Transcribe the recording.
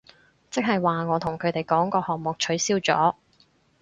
即係話我同佢哋講個項目取消咗